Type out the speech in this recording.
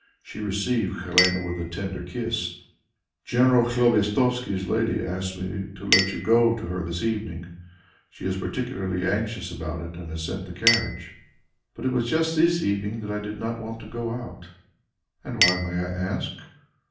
She received Helene with a tender kiss: "General Khlobestovsky's lady asks me to let you go to her this evening; she is particularly anxious about it and has sent the carriage." "But it was just this evening that I did not want to go out." "And why, may I ask?